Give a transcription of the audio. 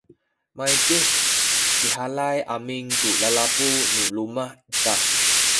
maydih lihalay amin ku lalabu nu luma’ ita